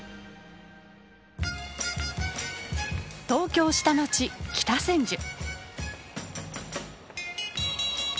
東京下町北千住。